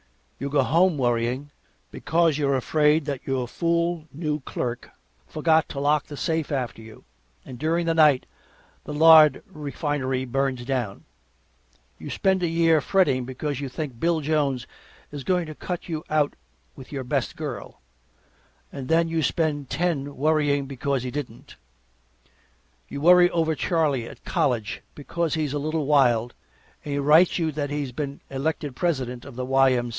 You go home worrying because you're afraid that your fool new clerk forgot to lock the safe after you, and during the night the lard refinery burns down; you spend a year fretting because you think Bill Jones is going to cut you out with your best girl, and then you spend ten worrying because he didn't; you worry over Charlie at college because he's a little wild, and he writes you that he's been elected president of the Y.M.